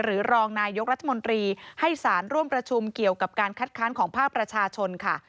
รองนายกรัฐมนตรีให้สารร่วมประชุมเกี่ยวกับการคัดค้านของภาคประชาชนค่ะ